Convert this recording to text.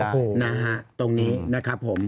นะฮะตรงนี้นะครับผม